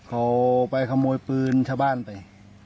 เขาไปขโมยปืนชาวบ้านไป